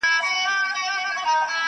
چي له چا به مولوي وي اورېدلې!